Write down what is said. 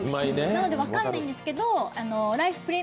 なので分かんないんですけど。